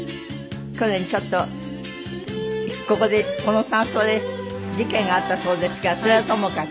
去年ちょっとここでこの山荘で事件があったそうですがそれはともかく。